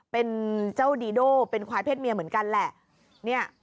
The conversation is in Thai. เป็นเจ้าดีโดเป็นควายเพศเมียเหมือนกันแหละ